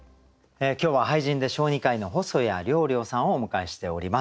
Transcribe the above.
今日は俳人で小児科医の細谷喨々さんをお迎えしております。